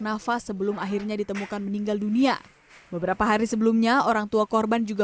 nafas sebelum akhirnya ditemukan meninggal dunia beberapa hari sebelumnya orang tua korban juga